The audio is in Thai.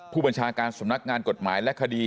ผู้บัญชาการสำนักงานกฎหมายและคดี